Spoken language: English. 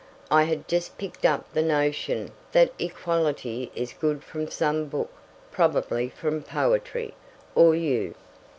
I had just picked up the notion that equality is good from some book probably from poetry, or you.